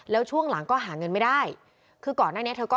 แล้วช่วงหลังก็หาเงินไม่ได้คือก่อนหน้านี้เธอก็